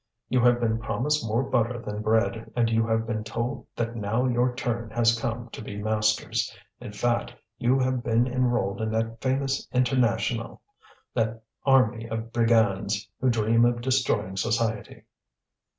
You have been promised more butter than bread, and you have been told that now your turn has come to be masters. In fact, you have been enrolled in that famous International, that army of brigands who dream of destroying society."